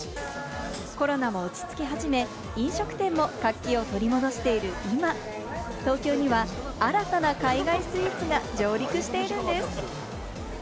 コロナも落ち着き始め、飲食店も活気を取り戻している今、東京には新たな海外スイーツが上陸しているんです。